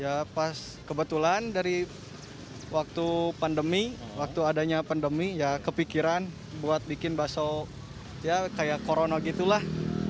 ya pas kebetulan dari waktu pandemi waktu adanya pandemi ya kepikiran buat bikin bakso ya kayak corona gitu lah